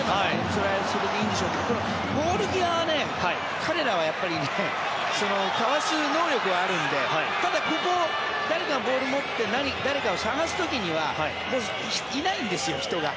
それはそれでいいんでしょうけどボール際は彼らはかわす能力があるのでただ、ここ誰かがボールを持って探す時にはいないんですよ、人が。